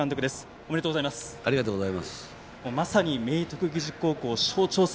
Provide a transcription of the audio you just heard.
おめでとうございます。